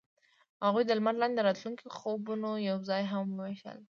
هغوی د لمر لاندې د راتلونکي خوبونه یوځای هم وویشل.